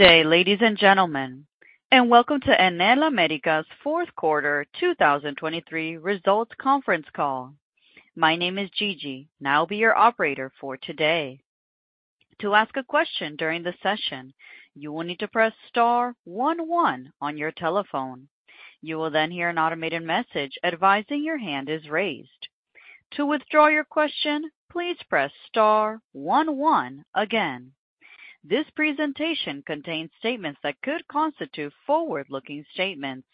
Good day, ladies and gentlemen, and welcome to Enel Américas fourth quarter 2023 results conference call. My name is Gigi, and I'll be your operator for today. To ask a question during the session, you will need to press star one one on your telephone. You will then hear an automated message advising your hand is raised. To withdraw your question, please press star one one again. This presentation contains statements that could constitute forward-looking statements.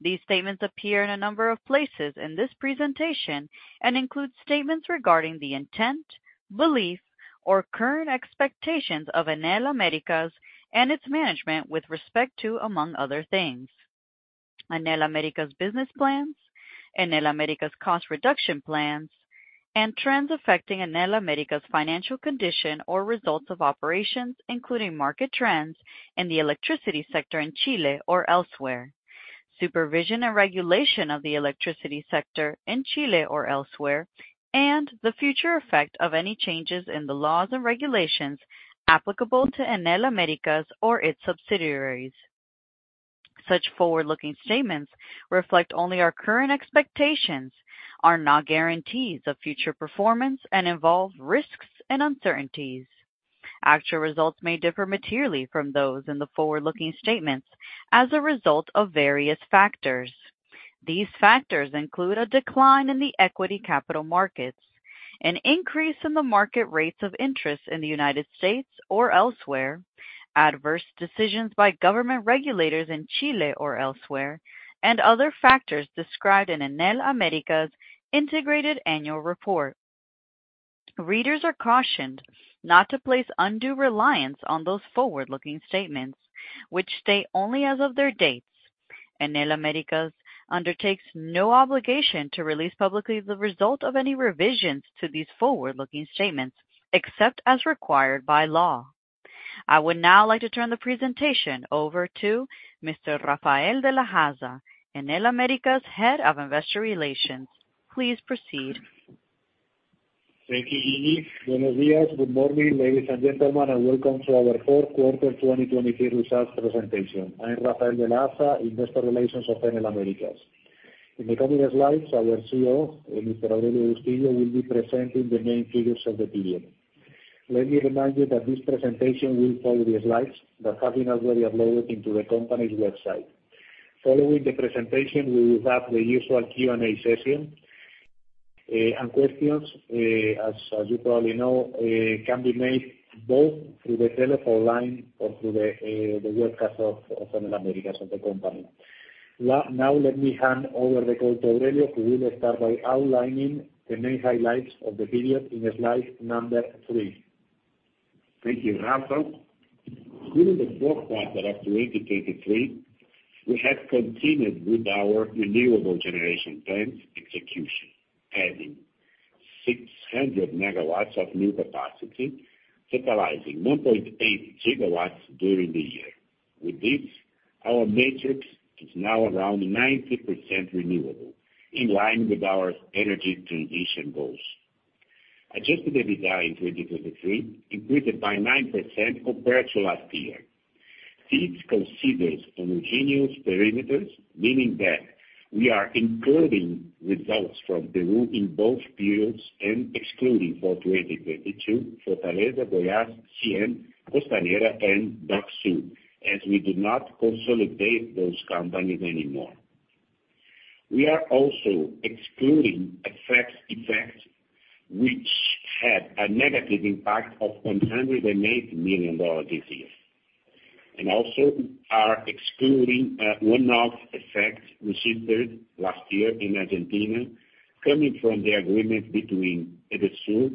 These statements appear in a number of places in this presentation, and include statements regarding the intent, belief, or current expectations of Enel Américas and its management with respect to, among other things, Enel Américas business plans, Enel Américas cost reduction plans, and trends affecting Enel Américas financial condition or results of operations, including market trends in the electricity sector in Chile or elsewhere, supervision and regulation of the electricity sector in Chile or elsewhere, and the future effect of any changes in the laws and regulations applicable to Enel Américas or its subsidiaries. Such forward-looking statements reflect only our current expectations, are not guarantees of future performance, and involve risks and uncertainties. Actual results may differ materially from those in the forward-looking statements as a result of various factors. These factors include a decline in the equity capital markets, an increase in the market rates of interest in the United States or elsewhere, adverse decisions by government regulators in Chile or elsewhere, and other factors described in Enel Américas' integrated annual report. Readers are cautioned not to place undue reliance on those forward-looking statements, which stay only as of their dates. Enel Américas undertakes no obligation to release publicly the result of any revisions to these forward-looking statements, except as required by law. I would now like to turn the presentation over to Mr. Rafael de la Haza, Enel Américas Head of Investor Relations. Please proceed. Thank you, Gigi. Buenos días. Good morning, ladies and gentlemen, and welcome to our fourth quarter 2023 results presentation. I'm Rafael de la Haza, Investor Relations of Enel Américas. In the coming slides, our CEO, Mr. Aurelio Bustilho, will be presenting the main figures of the period. Let me remind you that this presentation will follow the slides that have been already uploaded into the company's website. Following the presentation, we will have the usual Q&A session. And questions, as you probably know, can be made both through the telephone line or through the webcast of Enel Américas of the company. Now let me hand over the call to Aurelio, who will start by outlining the main highlights of the period in slide number three. Thank you, Rafael. During the fourth quarter of 2023, we have continued with our renewable generation plans execution, adding 600 MW of new capacity, totalizing 1.8 GW during the year. With this, our matrix is now around 90% renewable, in line with our energy transition goals. Adjusted EBITDA in 2023 increased by 9% compared to last year. This considers homogeneous perimeters, meaning that we are including results from Peru in both periods and excluding for 2022 Fortaleza, Goiás, CIEN, Costanera, and Dock Sud, as we do not consolidate those companies anymore. We are also excluding effect which had a negative impact of $108 million this year. We are excluding a one-off effect received last year in Argentina, coming from the agreement between Edesur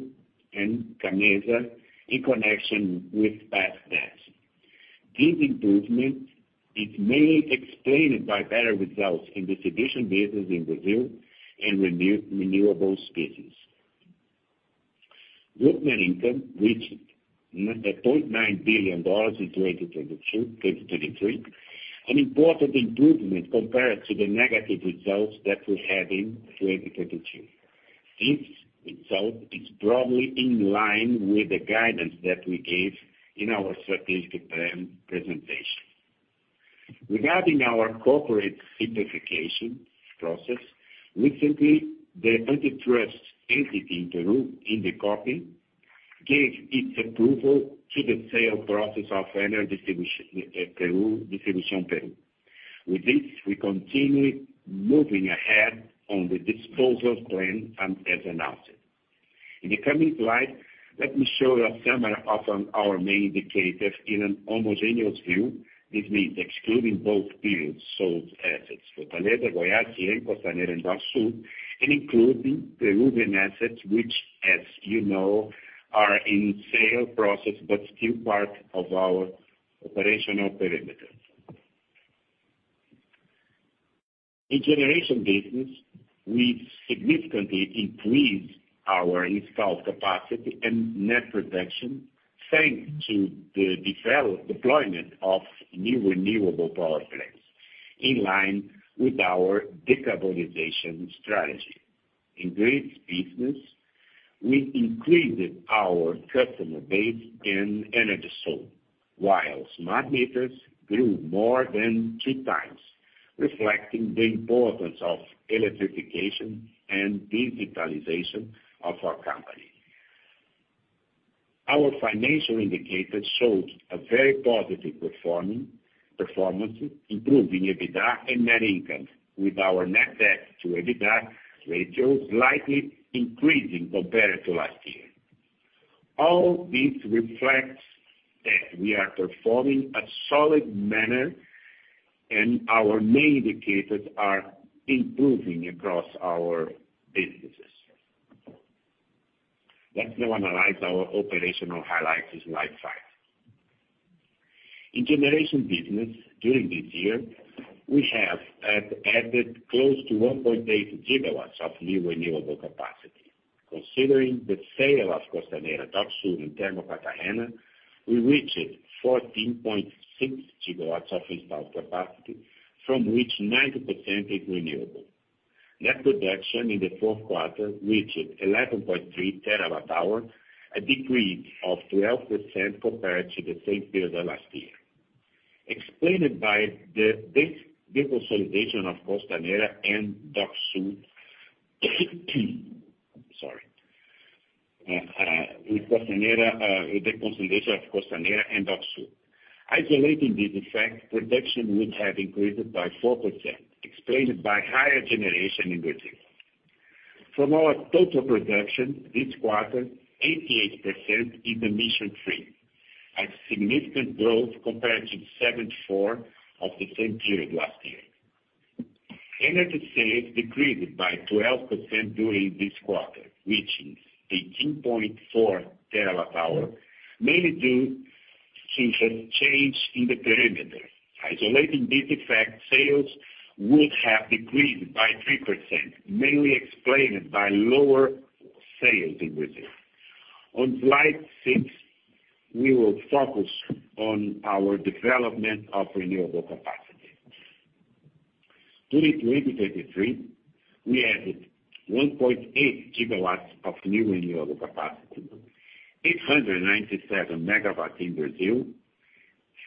and CAMMESA in connection with past debts. This improvement is mainly explained by better results in distribution business in Brazil and renewables business. Group net income reached $0.9 billion in 2023, an important improvement compared to the negative results that we had in 2022. This result is broadly in line with the guidance that we gave in our strategic plan presentation. Regarding our corporate simplification process, recently, the antitrust entity in Peru, INDECOPI, gave its approval to the sale process of Enel Distribución Perú. With this, we continue moving ahead on the disposals plan and as announced. In the coming slide, let me show you a summary of our main indicators in a homogeneous view. This means excluding both periods, sold assets, Fortaleza, Goiás, CIEN, Costanera, and Dock Sud, and including Peruvian assets, which, as you know, are in sale process, but still part of our operational parameters. In generation business, we significantly increased our installed capacity and net production, thanks to the deployment of new renewable power plants. In line with our decarbonization strategy. In grids business, we increased our customer base in energy sold, while smart meters grew more than 3x, reflecting the importance of electrification and digitalization of our company. Our financial indicators showed a very positive performance, improving EBITDA and net income, with our net-debt-to EBITDA ratio slightly increasing compared to last year. All this reflects that we are performing in a solid manner, and our main indicators are improving across our businesses. Let's now analyze our operational highlights in slide five. In generation business during this year, we have added close to 1.8 GW of new renewable capacity. Considering the sale of Costanera, Dock Sud, and Termo Pataxó, we reached 14.6 GW of installed capacity, from which 90% is renewable. Net production in the fourth quarter reached 11.3 TWh, a decrease of 12% compared to the same period last year, explained by the deconsolidation of Costanera and Dock Sud. Sorry. With Costanera, with the consolidation of Costanera and Dock Sud. Isolating this effect, production which have increased by 4%, explained by higher generation in Brazil. From our total production this quarter, 88% is emission free, a significant growth compared to 74% of the same period last year. Energy sales decreased by 12% during this quarter, reaching 18.4 TWh, mainly due to some change in the perimeter. Isolating this effect, sales would have decreased by 3%, mainly explained by lower sales in Brazil. On slide six, we will focus on our development of renewable capacity. During 2023, we added 1.8 GW of new renewable capacity, 897 MW in Brazil,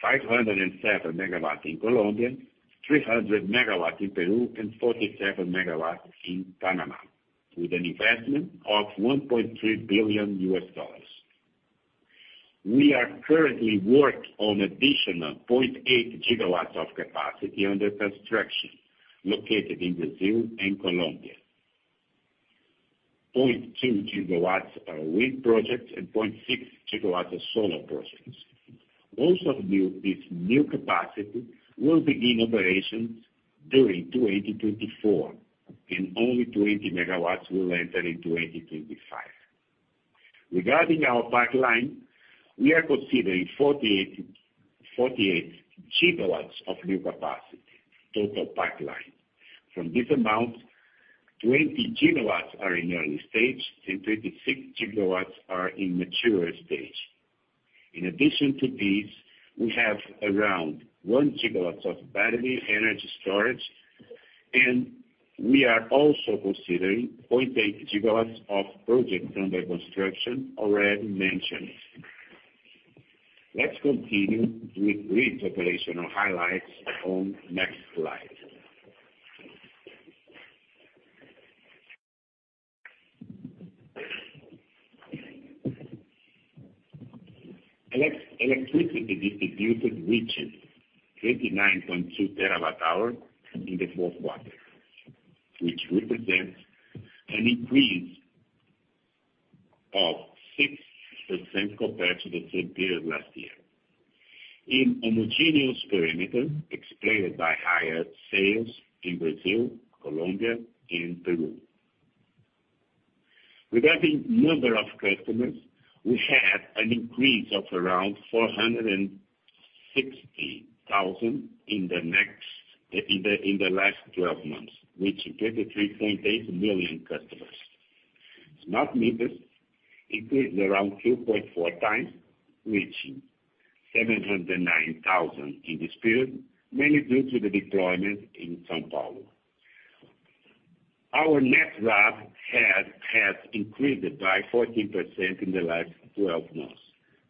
507 MW in Colombia, 300 MW in Peru, and 47 MW in Panama, with an investment of $1.3 billion. We are currently working on an additional 0.8 GW of capacity under construction, located in Brazil and Colombia. 0.2 GW are wind projects and 0.6 GW are solar projects. Most of this new capacity will begin operations during 2024, and only 20 MW will enter in 2025. Regarding our pipeline, we are considering 48 GW of new capacity, total pipeline. From this amount, 20 GW are in early stage and 26 GW are in mature stage. In addition to these, we have around 1 GW of battery energy storage, and we are also considering 0.8 GW of projects under construction already mentioned. Let's continue with grid operational highlights on next slide. Electricity distributed reaches 39.2 TWh in the fourth quarter, which represents an increase of 6% compared to the same period last year. In homogeneous perimeter explained by higher sales in Brazil, Colombia and Peru. Regarding number of customers, we had an increase of around 460,000 in the last 12 months, reaching 33.8 million customers. Smart meters increased around 2.4x, reaching 709,000 in this period, mainly due to the deployment in São Paulo. Our net RAB has increased by 14% in the last 12 months,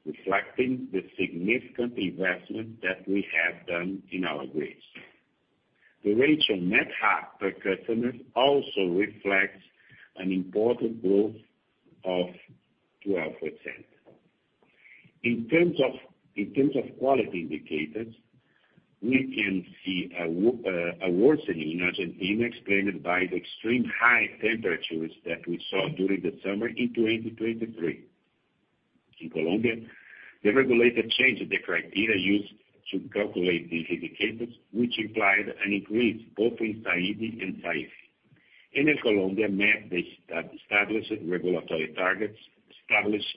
reflecting the significant investment that we have done in our grids. The ratio net RAB per customer also reflects an important growth of 12%. In terms of quality indicators, we can see a worsening in Argentina explained by the extremely high temperatures that we saw during the summer in 2023. In Colombia, the regulator changed the criteria used to calculate these indicators, which implied an increase both in SAIDI and SAIFI. In Colombia, MEB, they established regulatory targets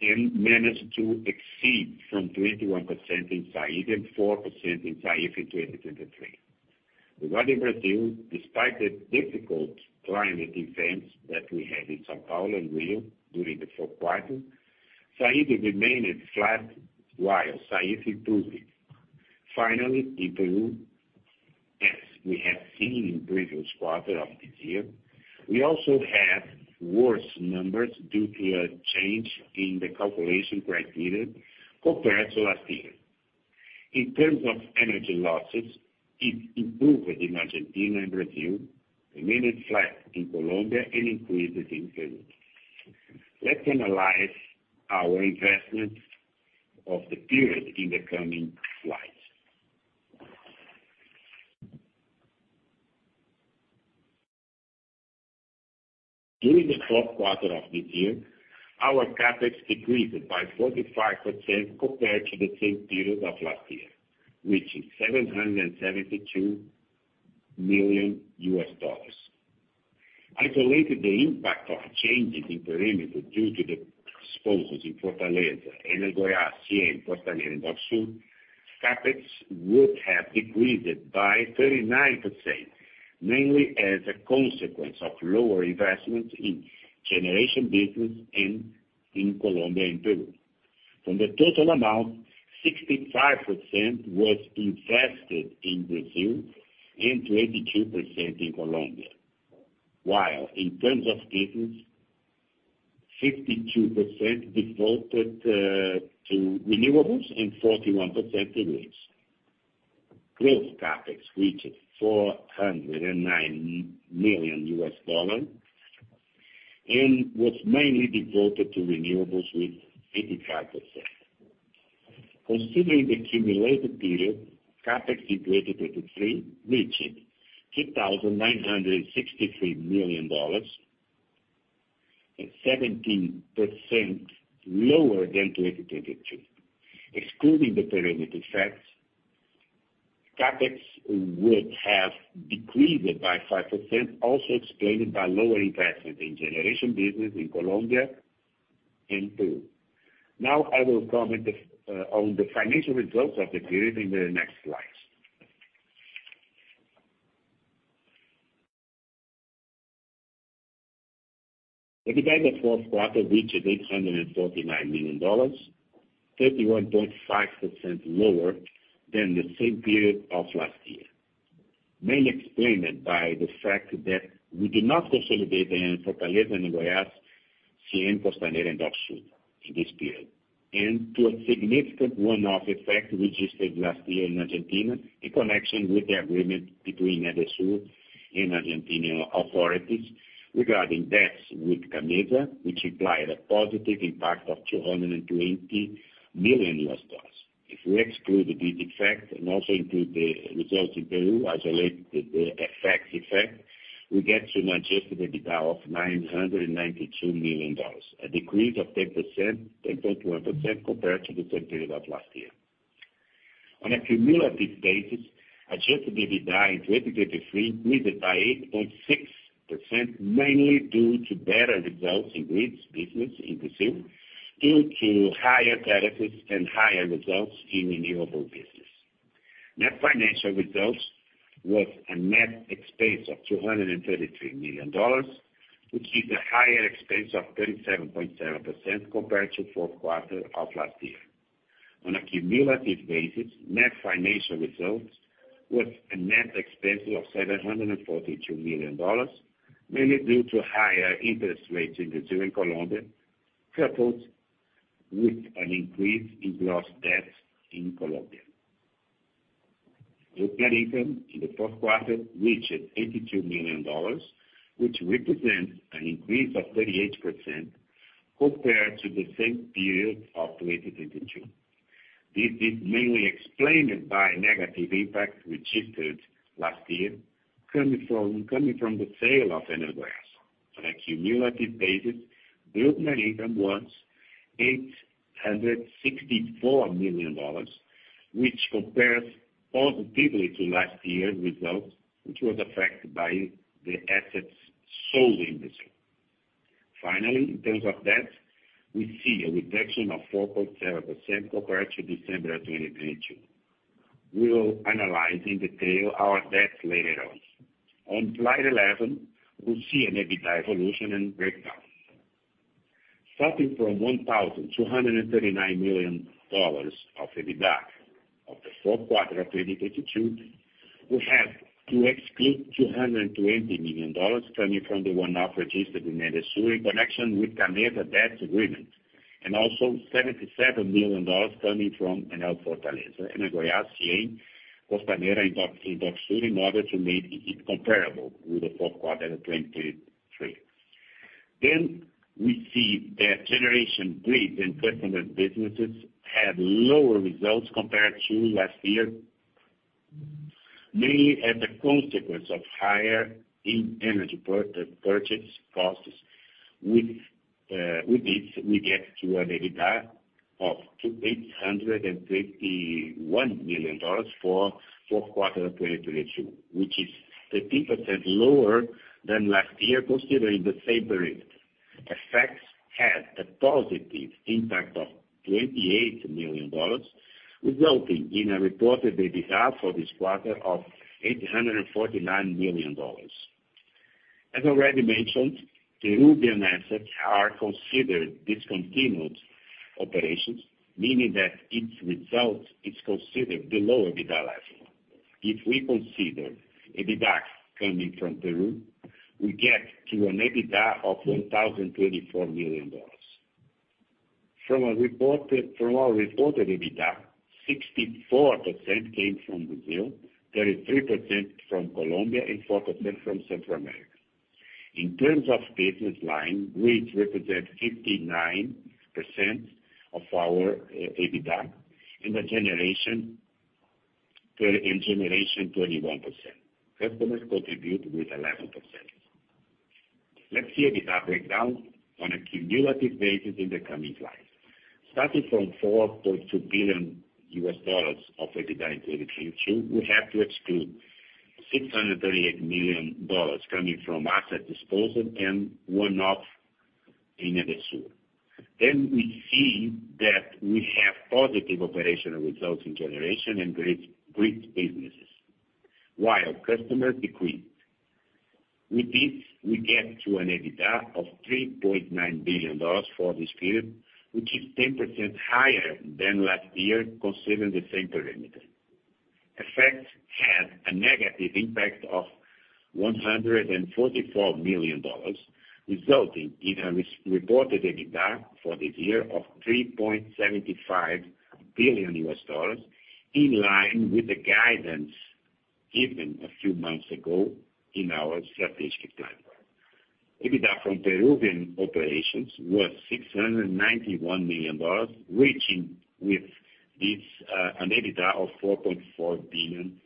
and managed to exceed from 21% in SAIDI and 4% in SAIFI in 2023. Regarding Brazil, despite the difficult climate events that we had in São Paulo and Rio during the fourth quarter, SAIDI remained flat, while SAIFI improved it. Finally, in Peru, as we have seen in previous quarter of this year, we also had worse numbers due to a change in the calculation criteria compared to last year. In terms of energy losses, it improved in Argentina and Brazil, remained flat in Colombia, and increased in Peru. Let's analyze our investments of the period in the coming slides. During the fourth quarter of this year, our CapEx decreased by 45% compared to the same period of last year, reaching $772 million. Isolating the impact of changes in perimeter due to the disposals in Fortaleza, Goiás, CIEN, Costanera, and Dock Sud, CapEx would have decreased by 39%, mainly as a consequence of lower investments in generation business in Colombia and Peru. From the total amount, 65% was invested in Brazil and 22% in Colombia. While in terms of business, 52% allocated to renewables and 41% in grids. Growth CapEx reached $409 million and was mainly devoted to renewables with 85%. Considering the cumulative period, CapEx in 2023 reached $2,963 million, 17% lower than 2022. Excluding the perimeter effects, CapEx would have decreased by 5%, also explained by lower investment in generation business in Colombia and Peru. Now, I will comment on the financial results of the period in the next slide. EBITDA for fourth quarter reached $849 million, 31.5% lower than the same period of last year. Mainly explained by the fact that we did not consolidate in Fortaleza and Goiás, Costanera, and Dock Sud in this period. To a significant one-off effect registered last year in Argentina, in connection with the agreement between Edesur and Argentine authorities regarding debts with CAMMESA, which implied a positive impact of $220 million. If we exclude this effect and also include the results in Peru, isolate the FX effect, we get to an Adjusted EBITDA of $992 million, a decrease of 10%-10.1% compared to the same period of last year. On a cumulative basis, Adjusted EBITDA in 2023 increased by 8.6%, mainly due to better results in grids business in Brazil and to higher tariffs and higher results in renewable business. Net financial results was a net expense of $233 million, which is a higher expense of 37.7% compared to fourth quarter of last year. On a cumulative basis, net financial results was a net expense of $742 million, mainly due to higher interest rates in Brazil and Colombia, coupled with an increase in gross debts in Colombia. Booked net income in the fourth quarter reached $82 million, which represents an increase of 38% compared to the same period of 2022. This is mainly explained by negative impacts registered last year coming from the sale of Enel Goiás. On a cumulative basis, booked net income was $864 million, which compares positively to last year's results, which was affected by the assets sold in Brazil. Finally, in terms of debt, we see a reduction of 4.0% compared to December of 2022. We will analyze in detail our debt later on. On slide 11, we see an EBITDA evolution and breakdown. Starting from $1,239 million of EBITDA of the fourth quarter of 2022, we have to exclude $220 million coming from the one-off registered in Edesur in connection with CAMMESA debt agreement, and also $77 million coming from Enel Fortaleza, Enel Goiás, Enel CIEN, Costanera, and Dock Sud in order to make it comparable with the fourth quarter 2023. We see that generation, grid and customer businesses had lower results compared to last year, mainly as a consequence of higher energy purchase costs. With this, we get to an EBITDA of $851 million for fourth quarter 2022, which is 13% lower than last year considering the same period. FX effects had a positive impact of $28 million, resulting in a reported EBITDA for this quarter of $849 million. As already mentioned, Peruvian assets are considered discontinued operations, meaning that its result is considered below EBITDA level. If we consider EBITDA coming from Peru, we get to an EBITDA of $1,024 million. From our reported EBITDA, 64% came from Brazil, 33% from Colombia, and 4% from Central America. In terms of business line, we represent 59% of our EBITDA and the generation 31%. Customers contribute with 11%. Let's see EBITDA breakdown on a cumulative basis in the coming slides. Starting from $4.2 billion of EBITDA in 2022, we have to exclude $638 million coming from asset disposal and one-off in Enel Brasil. We see that we have positive operational results in generation and grid businesses, while customers decreased. With this, we get to an EBITDA of $3.9 billion for this period, which is 10% higher than last year considering the same perimeter. Effects had a negative impact of $144 million, resulting in an as-reported EBITDA for this year of $3.75 billion, in line with the guidance given a few months ago in our strategic plan. EBITDA from Peruvian operations was $691 million, reaching with this an EBITDA of $4.4 billion.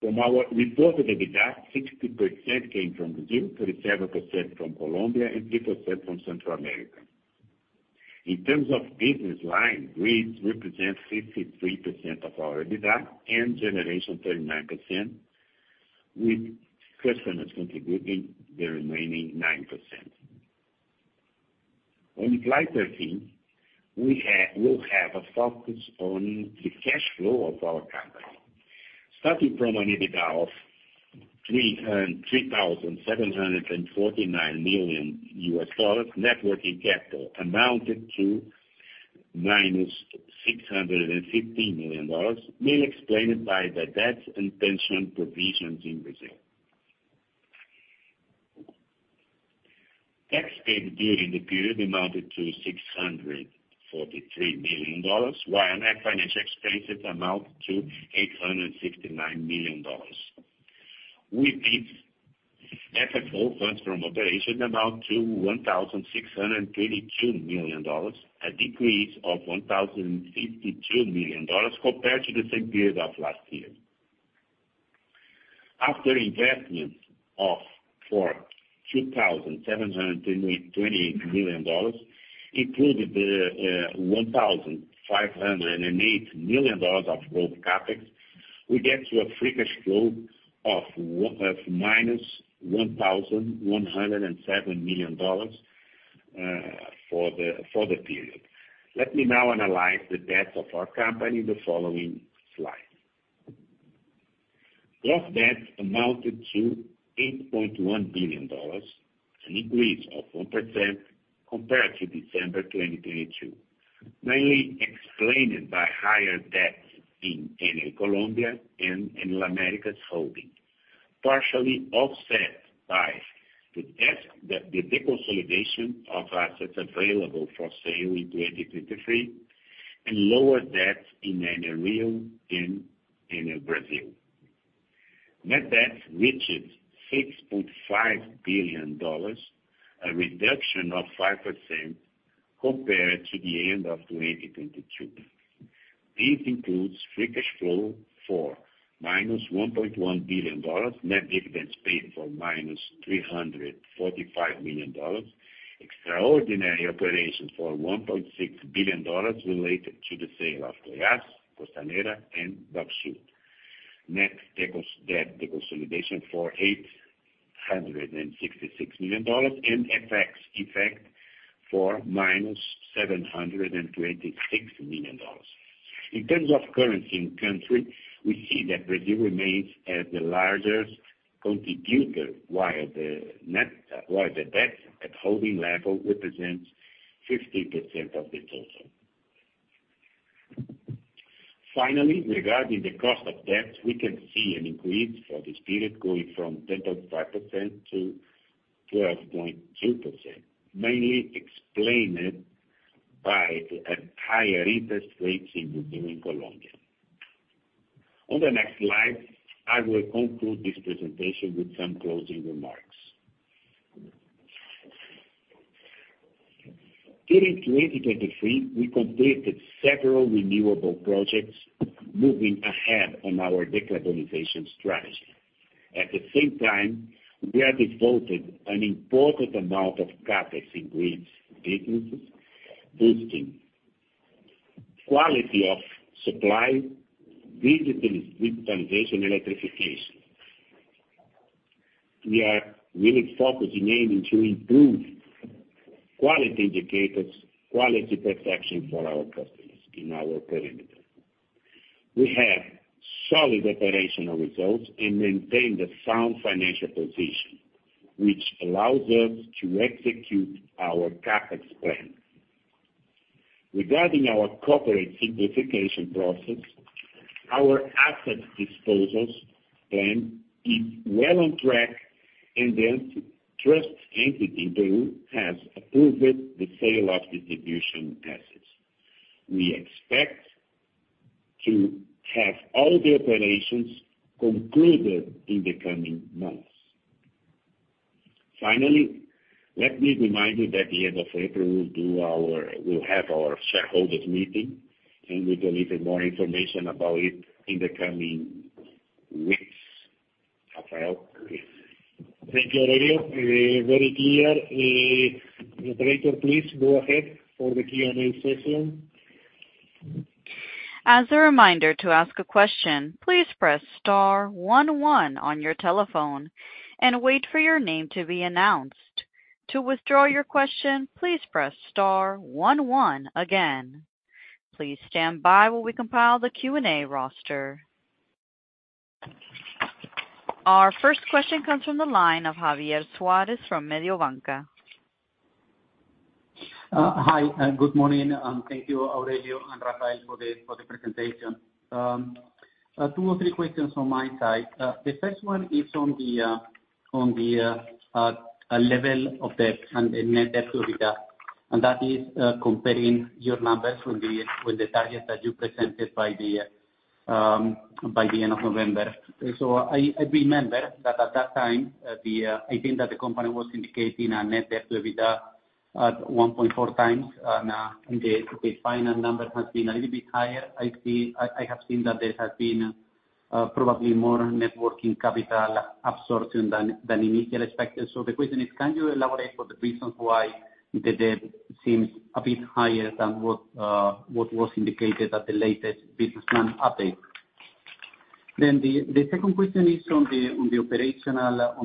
From our reported EBITDA, 60% came from Brazil, 37% from Colombia, and 3% from Central America. In terms of business line, grids represent 53% of our EBITDA and generation 39% with customers contributing the remaining 9%. On slide 13, we will have a focus on the cash flow of our company. Starting from an EBITDA of $3,749 million, net working capital amounted to -$650 million, mainly explained by the debt and pension provisions in Brazil. Tax paid during the period amounted to $643 million, while net financial expenses amounted to $859 million. With this, FFO, funds from operation, amount to $1,632 million, a decrease of $1,052 million compared to the same period of last year. After investments of $2,728 million, including the $1,508 million of growth CapEx, we get to a free cash flow of minus $1,107 million for the period. Let me now analyze the debt of our company in the following slide. Gross debt amounted to $8.1 billion, an increase of 1% compared to December 2022. Mainly explained by higher debt in Enel Colombia and Enel Américas Holding, partially offset by the deconsolidation of assets available for sale in 2023, and lower debt in Enel Rio and Enel Brasil. Net-debt reaches $6.5 billion, a reduction of 5% compared to the end of 2022. This includes free cash flow for -$1.1 billion, net dividends paid for -$345 million, extraordinary operations for $1.6 billion related to the sale of Goiás, Costanera, and Dock Sud. Net debt deconsolidation for $866 million, and FX effect for -$726 million. In terms of currency in country, we see that Brazil remains as the largest contributor, while the net, while the debt at holding level represents 50% of the total. Finally, regarding the cost of debt, we can see an increase for this period going from 10.5% to 12.2%, mainly explained by the higher interest rates in Brazil and Colombia. On the next slide, I will conclude this presentation with some closing remarks. During 2023, we completed several renewable projects, moving ahead on our decarbonization strategy. At the same time, we have devoted an important amount of CapEx in grids businesses, boosting quality of supply, digitalization, electrification. We are really focused in aiming to improve quality indicators, quality of service for our customers in our perimeter. We have solid operational results and maintain the sound financial position, which allows us to execute our CapEx plan. Regarding our corporate simplification process, our asset disposals plan is well on track and the trust entity Peru has approved the sale of distribution assets. We expect to have all the operations concluded in the coming months. Finally, let me remind you that at the end of April, we'll have our shareholders meeting, and we'll deliver more information about it in the coming weeks. Rafael, please. Thank you, Aurelio. Very clear. Operator, please go ahead for the Q&A session. As a reminder, to ask a question, please press star one one on your telephone and wait for your name to be announced. To withdraw your question, please press star one one again. Please stand by while we compile the Q&A roster. Our first question comes from the line of Javier Suárez from Mediobanca. Hi, and good morning, and thank you, Aurelio and Rafael, for the presentation. Two or three questions from my side. The first one is on the level of debt and net-debt-to EBITDA, and that is comparing your numbers with the target that you presented by the end of November. I remember that at that time, I think that the company was indicating a net-debt-to EBITDA at 1.4x, and in the final number has been a little bit higher. I have seen that there has been probably more working capital absorption than initially expected. The question is can you elaborate for the reasons why the debt seems a bit higher than what was indicated at the latest business plan update? The second question is on the operational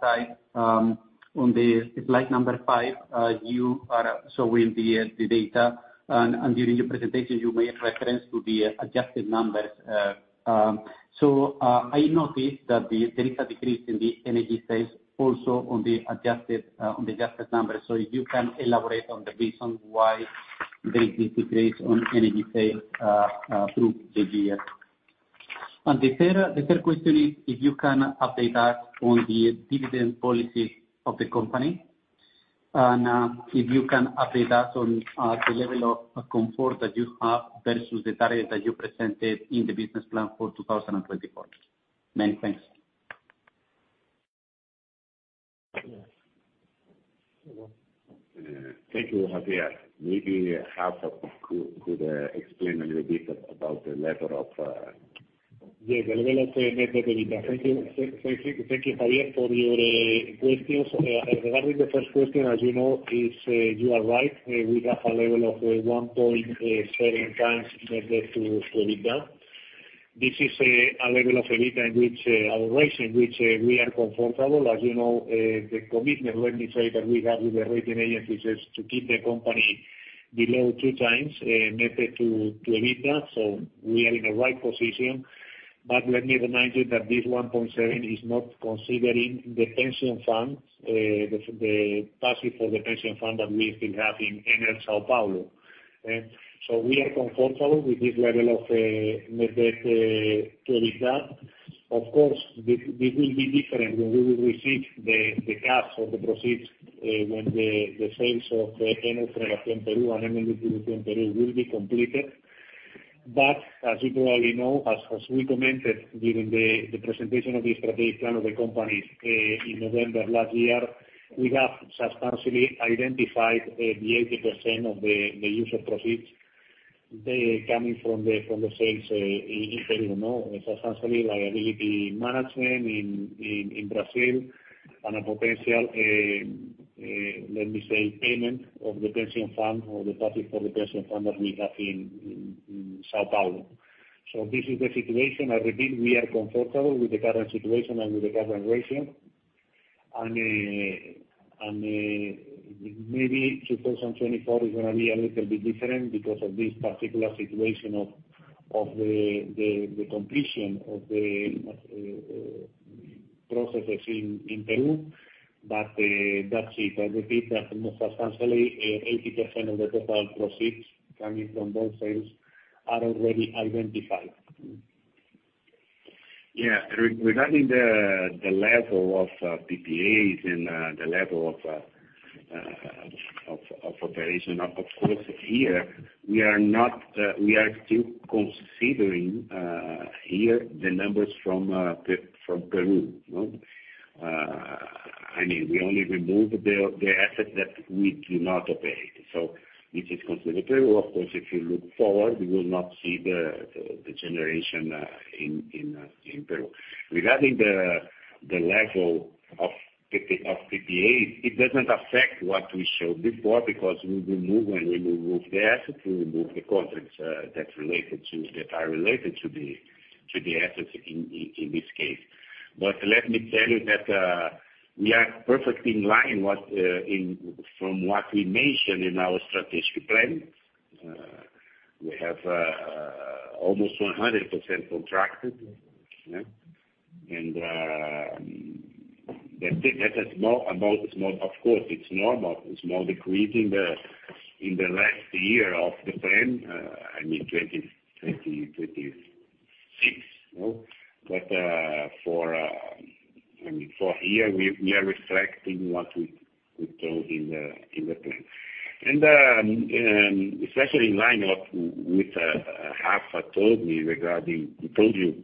side, on slide five, you are showing the data, and during your presentation you made reference to the adjusted numbers. I noticed that there is a decrease in the energy sales also on the adjusted numbers. If you can elaborate on the reason why there is this decrease on energy sales through the year. The third question is if you can update us on the dividend policy of the company, and if you can update us on the level of comfort that you have versus the target that you presented in the business plan for 2024. Many thanks. Thank you, Javier. Maybe Rafael could explain a little bit about the level of Yeah, the level of net-debt-to EBITDA. Thank you, Javier, for your questions. Regarding the first question, as you know, you are right. We have a level of 1.7x net-debt-to EBITDA. This is a level of EBITDA in which our rates in which we are comfortable. As you know, the commitment, let me say, that we have with the rating agencies is to keep the company below 2x net-debt-to EBITDA, so we are in the right position. But let me remind you that this 1.7x is not considering the pension fund, the passive for the pension fund that we still have in Enel São Paulo. So we are comfortable with this level of net-debt-to EBITDA. Of course, this will be different when we will receive the cash or the proceeds when the sales of Enel Distribución Perú will be completed. As you probably know, as we commented during the presentation of the strategic plan of the company in November last year, we have substantially identified the 80% of the use of proceeds coming from the sales in Peru. Substantial liability management in Brazil and a potential let me say payment of the pension fund or the provision for the pension fund that we have in São Paulo. This is the situation. I repeat, we are comfortable with the current situation and with the current ratio. Maybe 2024 is gonna be a little bit different because of this particular situation of the completion of the processes in Peru. That's it. I repeat that most substantially 80% of the total proceeds coming from both sales are already identified. Regarding the level of PPAs and the level of operation, of course, here we are not, we are still considering here the numbers from Peru, no? I mean, we only remove the assets that we do not operate. So this is considered variable. Of course, if you look forward, you will not see the generation in Peru. Regarding the level of PPAs, it doesn't affect what we showed before because we remove with the asset, we remove the contracts, that's related to that are related to the assets in this case. Let me tell you that, we are perfectly in line with from what we mentioned in our strategic plan. We have almost 100% contracted, right? The thing that is more about, of course, it's normal. It's more decreasing in the last year of the plan, I mean, 2026. For the year, we are reflecting what we told in the plan. Especially in line with what Rafael told me regarding, he told you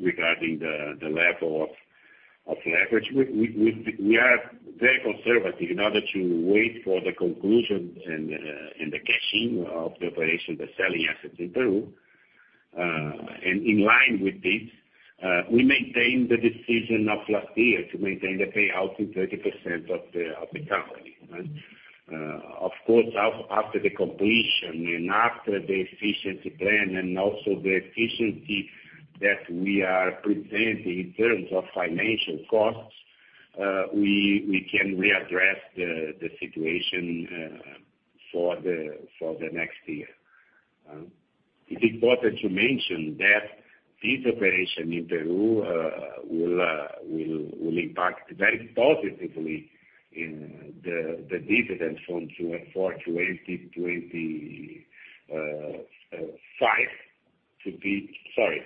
regarding the level of leverage, we are very conservative in order to wait for the conclusion and the cashing of the operation, the selling assets in Peru. In line with this, we maintain the decision of last year to maintain the payout in 30% of the company, right? Of course, after the completion and after the efficiency plan and also the efficiency that we are presenting in terms of financial costs, we can readdress the situation for the next year. It's important to mention that this operation in Peru will impact very positively in the dividends. Sorry,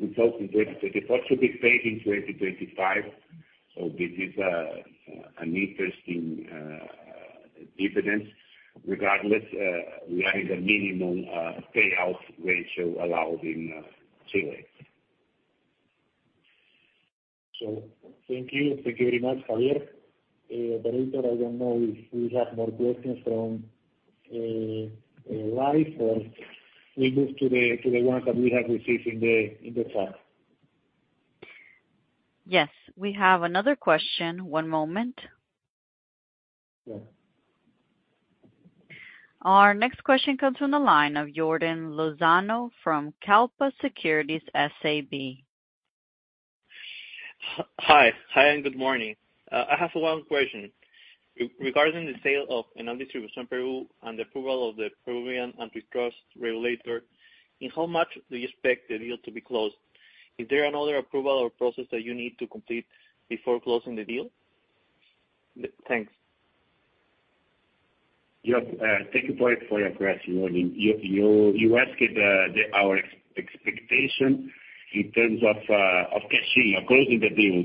results in 2024 to be paid in 2025. This is an interesting dividend. Regardless, we are in the minimum payout ratio allowed in Chile. Thank you. Thank you very much, Javier. Operator, I don't know if we have more questions from live, or we move to the ones that we have received in the chat. Yes, we have another question. One moment. Yeah. Our next question comes from the line of Jordán Lozano from Kallpa Securities SAB. Hi, good morning. I have one question. Regarding the sale of Enel Distribución Perú and the approval of the Peruvian antitrust regulator, in how much do you expect the deal to be closed? Is there another approval or process that you need to complete before closing the deal? Thanks. Yep. Thank you for your question. I mean, you asked our expectation in terms of closing the deal.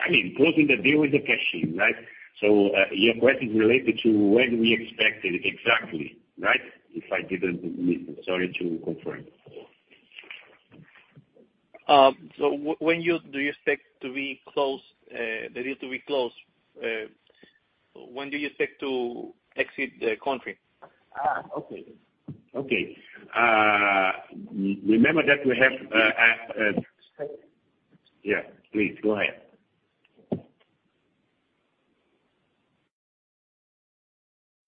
I mean, closing the deal is the closing, right? Your question is related to when we expect it exactly, right? Sorry to confirm. When do you expect the deal to be closed, when do you expect to exit the country? Okay. Remember that we have, Sorry. Yeah, please go ahead.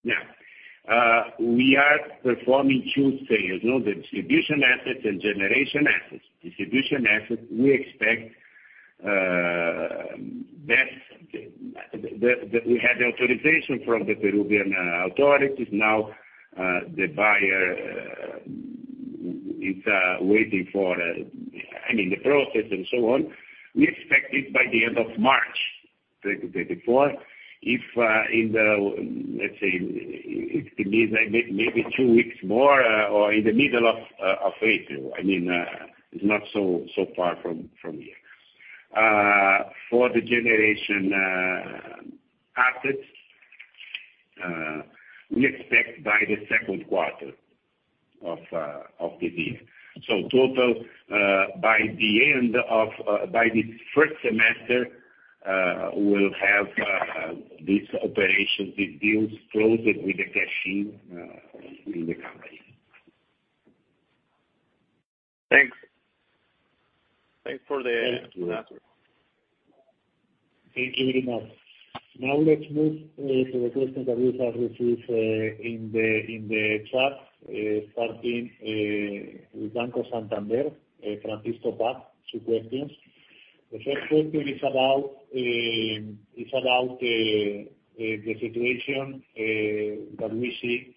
Yeah. We are performing two sales, you know, the distribution assets and generation assets. Distribution assets, we expect that we had the authorization from the Peruvian authorities. Now, the buyer is waiting for, I mean, the process and so on. We expect it by the end of March 2024. If, in the, let's say, it could be maybe two weeks more or in the middle of April. I mean, it's not so far from here. For the generation assets, we expect by the second quarter of the year. Total, by the first semester, we'll have these operations, these deals closed and with the cash-in in the company. Thanks for the answer. Thank you. Thank you very much. Now let's move to the questions that we have received in the chat, starting with Banco Santander, Francisco Paz. Two questions. The first question is about the situation that we see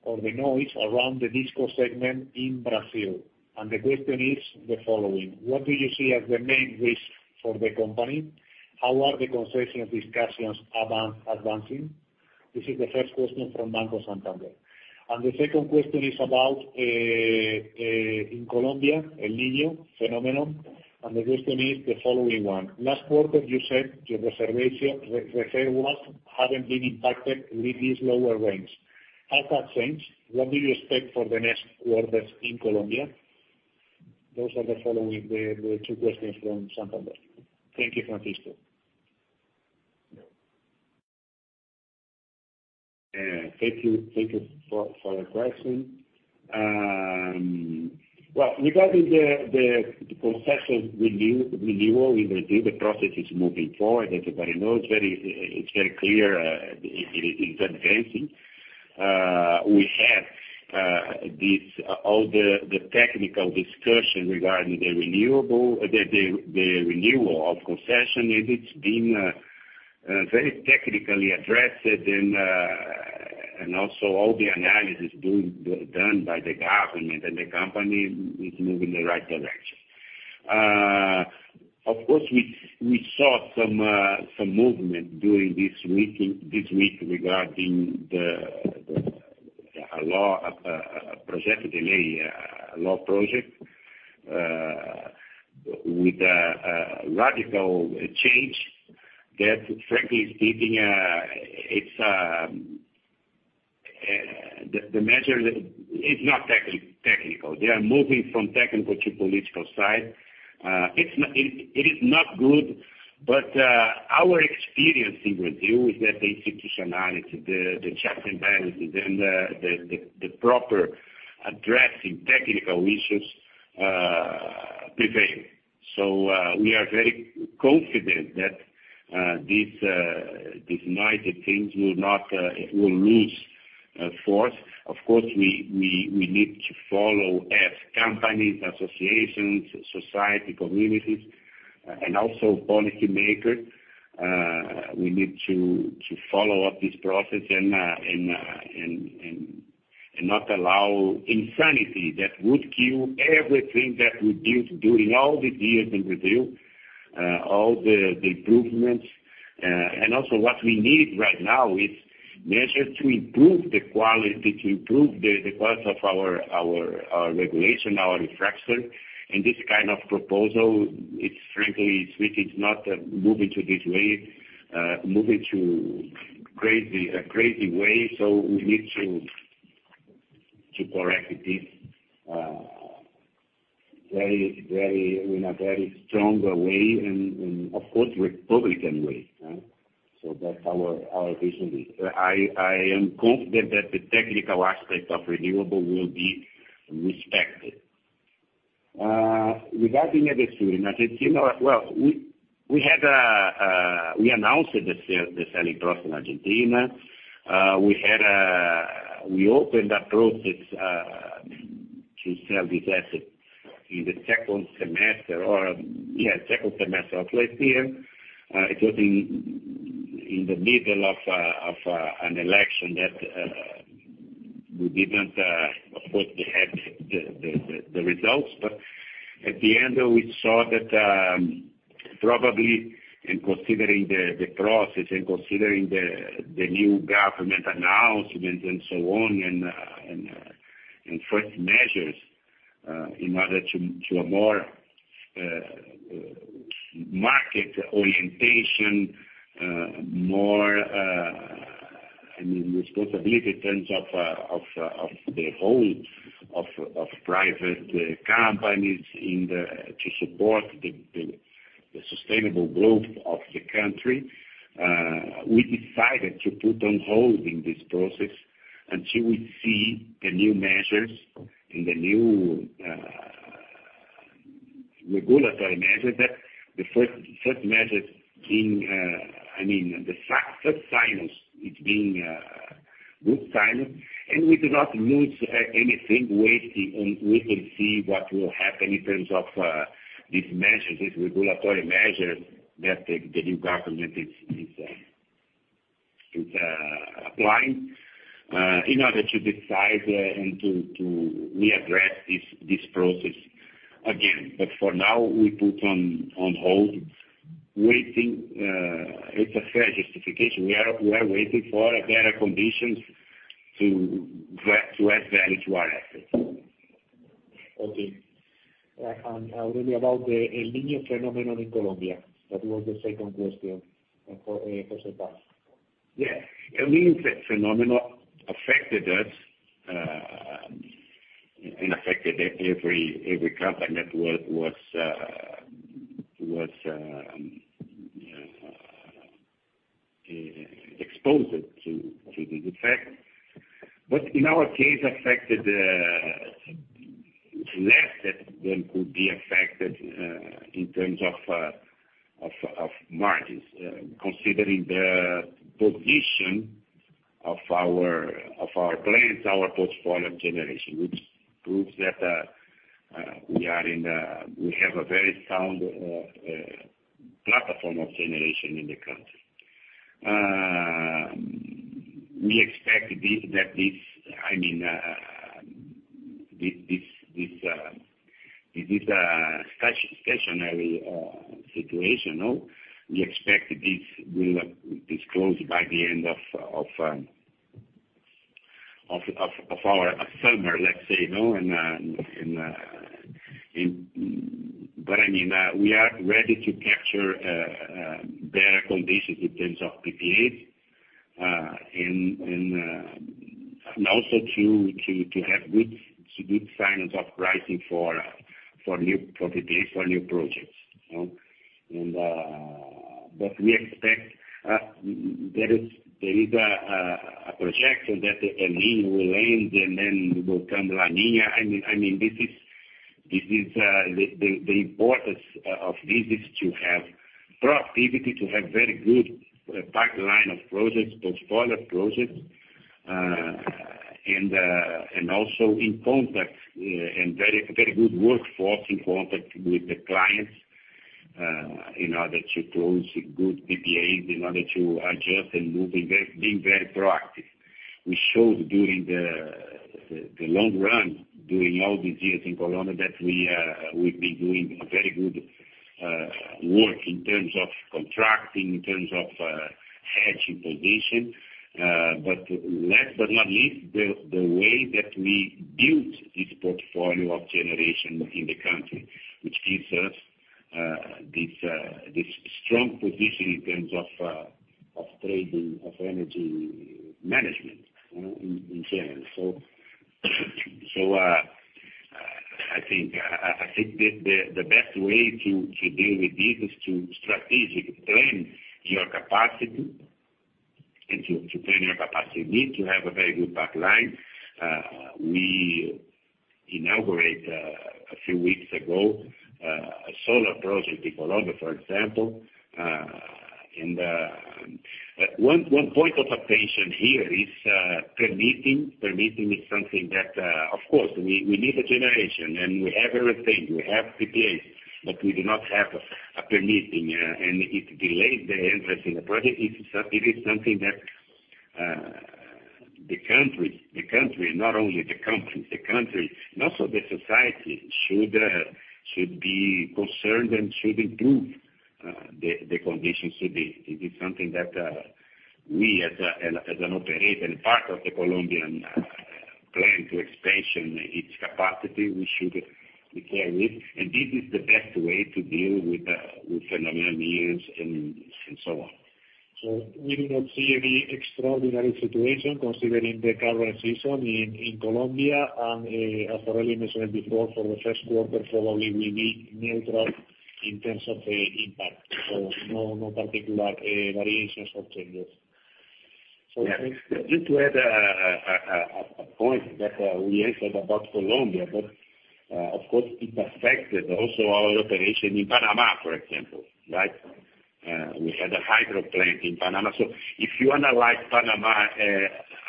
or the noise around the DisCo segment in Brazil. The question is the following: What do you see as the main risk for the company? How are the concession discussions advancing? This is the first question from Banco Santander. The second question is about in Colombia, El Niño phenomenon. The question is the following one: Last quarter, you said your reservoir levels hadn't been impacted with these lower rains. Has that changed? What do you expect for the next quarters in Colombia? Those are the two questions from Santander. Thank you, Francisco. Thank you for the question. Regarding the concession renewal review, the process is moving forward. Everybody knows it's very clear in advancing. We have the technical discussion regarding the renewal of the concession, and it's been very technically addressed. All the analysis done by the government and the company is moving in the right direction. Of course, we saw some movement during this week regarding the proyecto de ley with a radical change that frankly is giving. It's the measure is not technical. They are moving from technical to political side. It is not good, but our experience in Brazil is that the institutionality, the checks and balances and the proper addressing technical issues prevail. We are very confident that this negative things will lose force. Of course, we need to follow as companies, associations, society, communities, and also policymakers. We need to follow up this process and not allow insanity that would kill everything that we built during all the years in Brazil, all the improvements. Also what we need right now is measures to improve the quality of our regulation, our infrastructure. This kind of proposal, it's frankly, it's not moving to this way, moving to a crazy way, so we need to correct this in a very strong way and of course republican way, right? That's our vision. I am confident that the technical aspect of renewable will be respected. Regarding Edesur in Argentina, we had announced the selling process in Argentina. We had opened a process to sell this asset in the second semester of last year. It was in the middle of an election that we didn't, of course, have the results. At the end we saw that probably in considering the process and considering the new government announcement and so on and first measures in order to a more market orientation more I mean responsibility in terms of the role of private companies to support the sustainable growth of the country we decided to put this process on hold until we see the new measures and the new regulatory measures that the first measures being I mean the first signs it's being good signs. We do not lose anything waiting, and we will see what will happen in terms of these measures, these regulatory measures that the new government is applying in order to decide and to readdress this process again. For now, we put on hold waiting. It's a fair justification. We are waiting for a better conditions to add value to our assets. Okay. Maybe about the El Niño phenomenon in Colombia. That was the second question from Francisco Paz. Yeah. El Niño phenomenon affected us and affected every company that was exposed to the effect. In our case, affected less than could be affected in terms of margins, considering the position of our plants, our portfolio generation, which proves that we have a very sound platform of generation in the country. We expect this, I mean, this is a stationary situation, no? We expect this will close by the end of our summer, let's say, no? I mean, we are ready to capture better conditions in terms of PPAs, also to have good signs of pricing for new projects, you know. We expect there is a projection that El Niño will end and then will come La Niña. I mean, this is the importance of this is to have productivity, to have very good pipeline of projects, those solar projects, and also in contact, and very good workforce in contact with the clients, in order to close good PPAs, in order to adjust being very proactive. We showed during the long run, during all these years in Colombia that we've been doing very good work in terms of contracting, in terms of hedging position. Last but not least, the way that we built this portfolio of generation in the country, which gives us this strong position in terms of trading, of energy management, you know, in general. I think the best way to deal with this is to strategically train your capacity and to train your capacity need to have a very good pipeline. We inaugurate a few weeks ago a solar project in Colombia, for example. One point of attention here is permitting. Permitting is something that, of course, we need the generation and we have everything. We have PPAs, but we do not have a permitting, and it delays the entrance in the project. It is something that the country, not only the company, the country and also the society should be concerned and should improve the conditions. This is something that we as an operator and part of the Colombian plan to expansion its capacity, we should be care with. This is the best way to deal with phenomenon years and so on. We do not see any extraordinary situation considering the current season in Colombia. As Aurelio mentioned before, for the first quarter, probably will be neutral in terms of the impact. No particular variations or changes. Yeah. Just to add, a point that we answered about Colombia, but of course it affected also our operation in Panama, for example, right? We had a hydro plant in Panama. If you analyze Panama,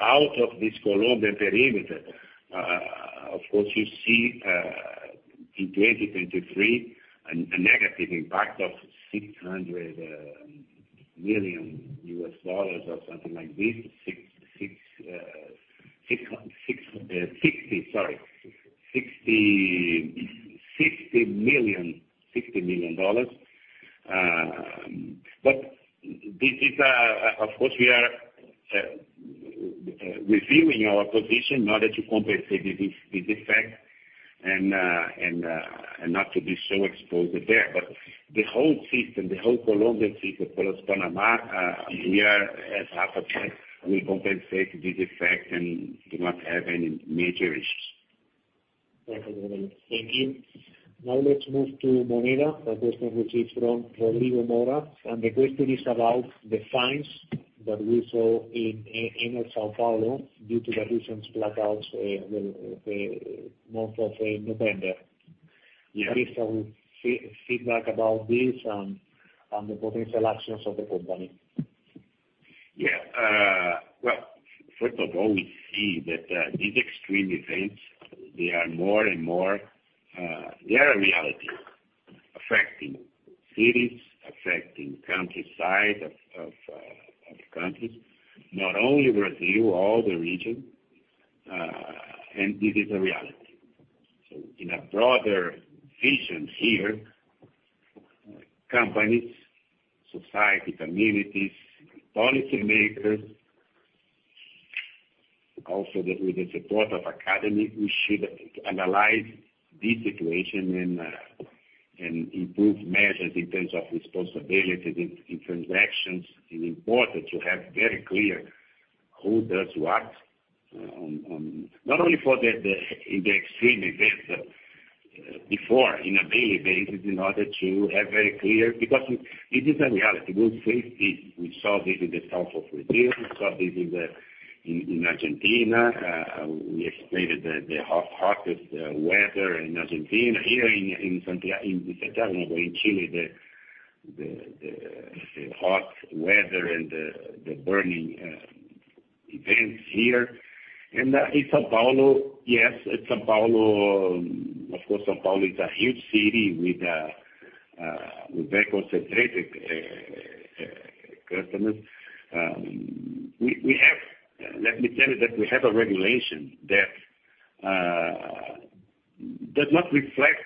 out of this Colombian perimeter, of course you see, in 2023 a negative impact of $600 million or something like this. $60, sorry. $60 million. But this is, of course we are reviewing our position in order to compensate this effect and not to be so exposed there. The whole system, the whole Colombian system plus Panama, we are as Enel, we compensate this effect and do not have any major issues. Thank you. Now let's move to Moneda. The question, which is from Rodrigo Mora, is about the fines that we saw in São Paulo due to the recent blackouts, the month of November. Yeah. Give me some feedback about this and the potential actions of the company. Well, first of all, we see that these extreme events, they are more and more, they are a reality affecting cities, affecting countryside of countries, not only Brazil, all the region. This is a reality. In a broader vision here, companies, society, communities, policymakers, also, with the support of academy, we should analyze this situation and improve measures in terms of responsibility, in transactions. It's important to have very clear who does what not only in the extreme events, but before in a daily basis in order to have very clear. Because it is a reality. We'll see it. We saw this in the south of Brazil. We saw this in Argentina. We explained the hottest weather in Argentina. Here in Santiago, in Chile, the hot weather and the burning events here. In São Paulo, yes, in São Paulo, of course São Paulo is a huge city with very concentrated customers. We have—let me tell you that we have a regulation that does not reflect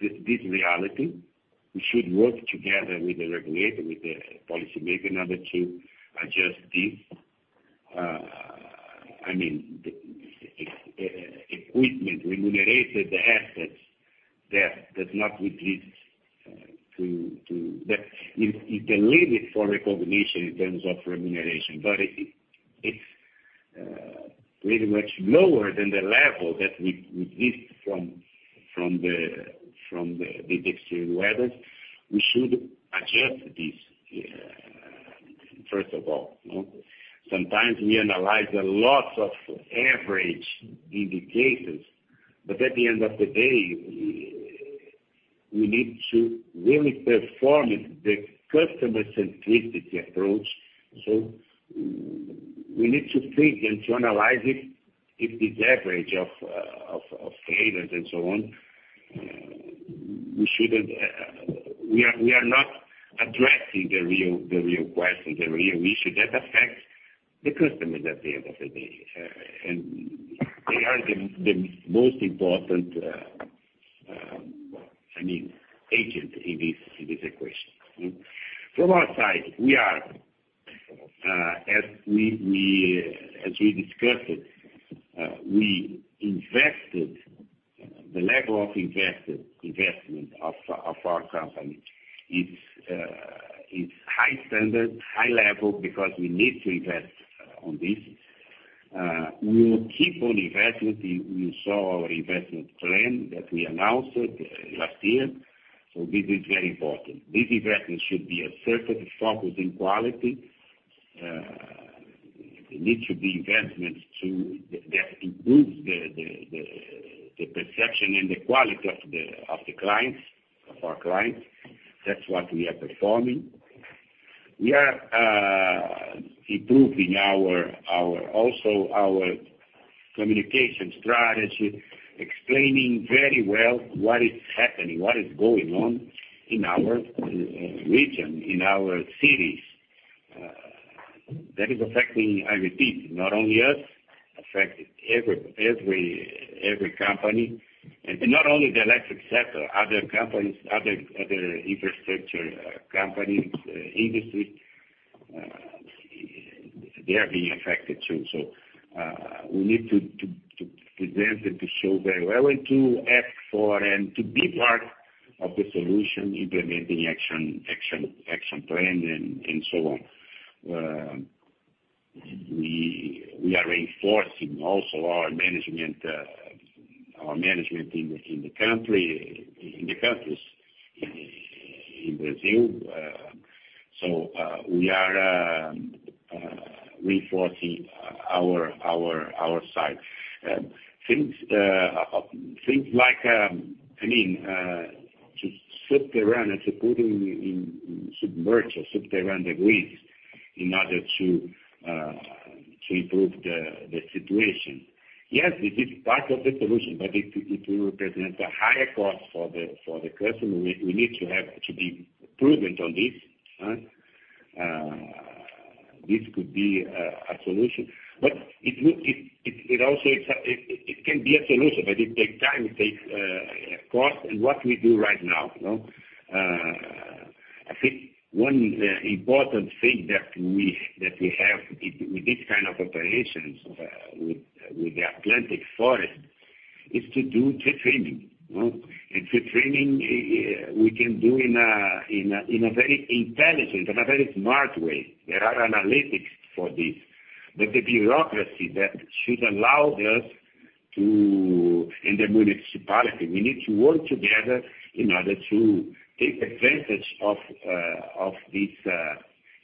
this reality. We should work together with the regulator, with the policymaker in order to adjust this, I mean, the equipment, remunerated assets that does not reflect to that it delayed it for recognition in terms of remuneration, but it's pretty much lower than the level that we missed from the extreme weathers. We should adjust this, first of all, you know. Sometimes we analyze a lot of average indications, but at the end of the day, we need to really perform the customer centricity approach. We need to think and to analyze it if this average of failures and so on, we are not addressing the real question, the real issue that affects the customers at the end of the day. They are the most important, I mean, agent in this equation. From our side, as we discussed, the level of investment of our company is high standard, high level because we need to invest on this. We will keep on investing. You saw our investment plan that we announced it last year, so this is very important. This investment should be a service focus in quality. It needs to be investments that improves the perception and the quality of the clients, of our clients. That's what we are performing. We are improving also our communication strategy, explaining very well what is happening, what is going on in our region, in our cities. That is affecting, I repeat, not only us, affecting every company. Not only the electric sector, other companies, other infrastructure companies, industries, they are being affected, too. We need to present and to show very well and to ask for and to be part of the solution, implementing action plan and so on. We are reinforcing also our management in the country in Brazil. We are reinforcing our sites. Things like, I mean, to sit around and to put in submerged or sit around the grids in order to improve the situation. Yes, this is part of the solution, but it will represent a higher cost for the customer. We need to be prudent on this, right? This could be a solution. It can be a solution, but it takes time, it takes cost. What we do right now, you know, I think one important thing that we have with this kind of operations with the Atlantic Forest is to do tree trimming, you know. Tree trimming we can do in a very intelligent and a very smart way. There are analytics for this. The bureaucracy that should allow us to in the municipality, we need to work together in order to take advantage of of this,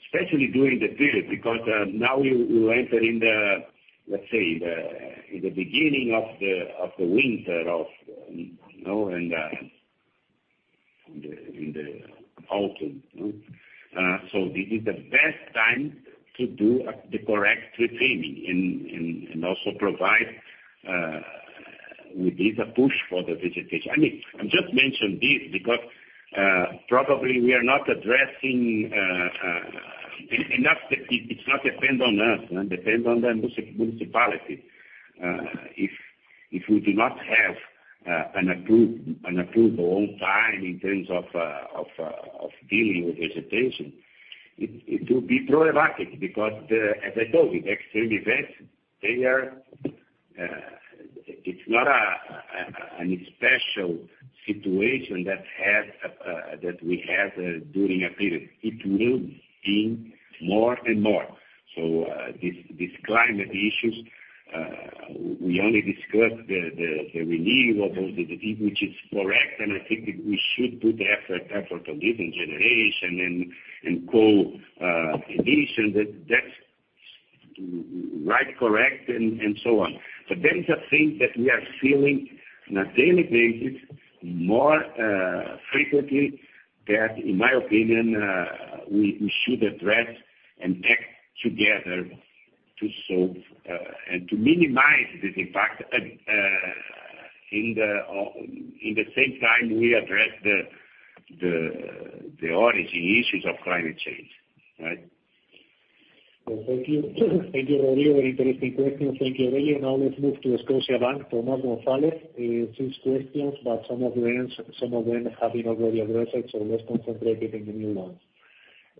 especially during the period, because now we enter in the, let's say, the in the beginning of the winter of, you know, and in the autumn, you know? This is the best time to do the correct tree trimming and also provide with this a push for the vegetation. I mean, I just mentioned this because probably we are not addressing and not the it's not depend on us, depends on the municipality. If we do not have an approval on time in terms of dealing with vegetation, it will be proactive because, as I told you, the extreme events are not a special situation that we had during a period. It will be more and more. These climate issues, we only discussed the relief of those, which is correct, and I think that we should put the effort of this in generation and adaptation that's right, correct, and so on. There is a thing that we are feeling on a daily basis more frequently that in my opinion, we should address and act together to solve, and to minimize this impact, in the same time we address the origin issues of climate change, right? Well, thank you. Thank you, Rodrigo. Very interesting questions. Thank you, Rodrigo. Now let's move to Scotiabank, Tomas Gonzalez. He has six questions, but some of them have been already addressed, so let's concentrate in the new ones.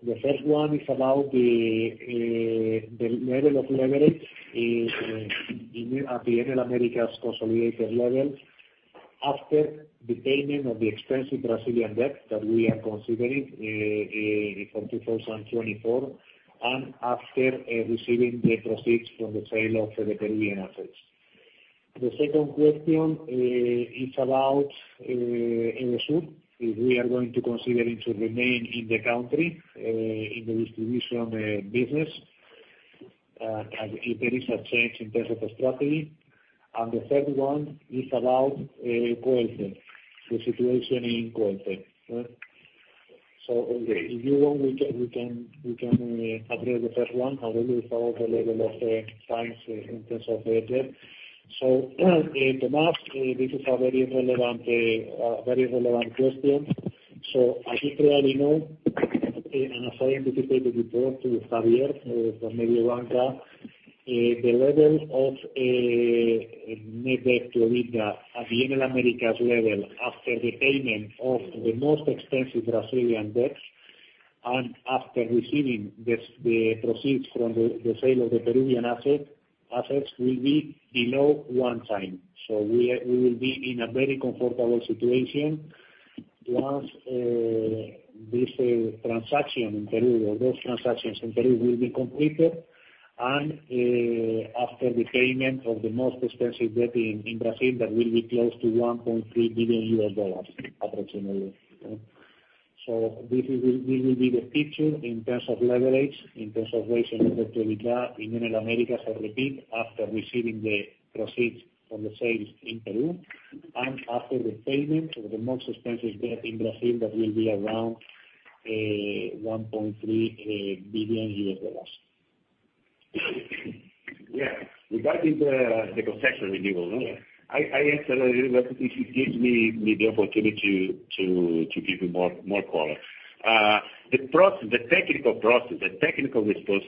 The first one is about the level of leverage in, at the Enel Américas consolidated level after the payment of the expensive Brazilian debt that we are considering for 2024, and after receiving the proceeds from the sale of the Peruvian assets. The second question is about Edesur if we are going to consider remaining in the country in the distribution business, and if there is a change in terms of the strategy. The third one is about Coelce, the situation in Coelce. Okay. If you want, we can address the first one, although it's about the level of leverage in terms of the debt. Tomás, this is a very relevant question. As Israel, you know, and as I anticipate the report to Javier Suárez from maybe Rodrigo, the level of net-debt-to EBITDA at the Enel Américas level after the payment of the most expensive Brazilian debt and after receiving the proceeds from the sale of the Peruvian assets will be below 1x. We will be in a very comfortable situation once this transaction in Peru, or those transactions in Peru will be completed and after the payment of the most expensive debt in Brazil, that will be close to $1.3 billion, approximately. This is the picture in terms of leverage, in terms of ratio of net-debt-to EBITDA in Enel Américas, I repeat, after receiving the proceeds from the sales in Peru, and after repayment of the most expensive debt in Brazil, that will be around $1.3 billion. Yeah. Regarding the concession renewal. Yeah. I actually. If you give me the opportunity to give you more color. The process, the technical process, the technical response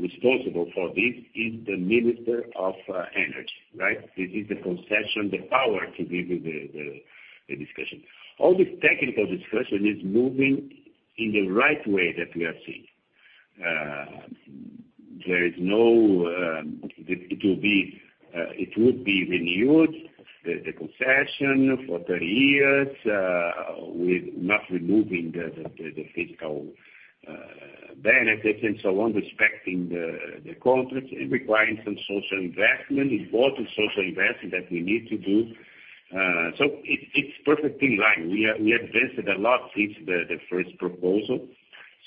responsible for this is the Minister of Energy, right? This is the concession, the power to give you the discussion. All this technical discussion is moving in the right way that we are seeing. There is no. It would be renewed, the concession for 30 years, with not removing the fiscal benefits and so on, respecting the contracts, it requires some social investment, important social investment that we need to do. It's perfectly in line. We advanced it a lot since the first proposal.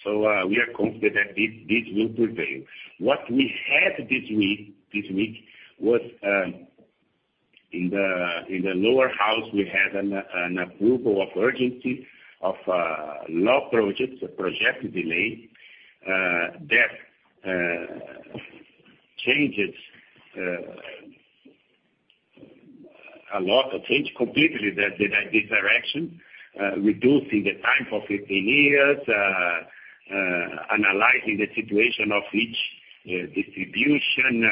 We are confident that this will prevail. What we had this week was in the lower house, we had an approval of urgency of proyectos de ley that changes a lot or change completely the direction, reducing the time from 15 years analyzing the situation of each distribution